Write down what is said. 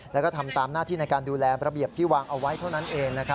แล้วก็ทำตามหน้าที่ในการดูแลระเบียบที่วางเอาไว้เท่านั้นเอง